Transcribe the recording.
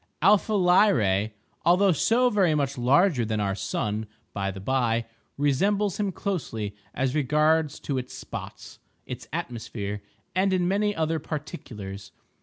Alpha Lyrae, although so very much larger than our sun, by the by, resembles him closely as regards its spots, its atmosphere, and in many other particulars.